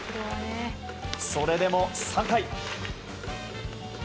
それでも、３回。